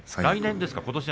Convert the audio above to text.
来年ですか。